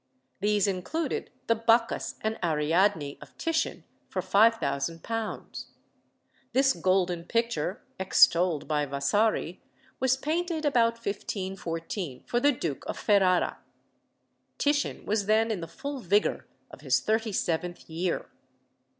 These included the "Bacchus and Ariadne" of Titian, for £5000. This golden picture (extolled by Vasari) was painted about 1514 for the Duke of Ferrara. Titian was then in the full vigour of his thirty seventh year.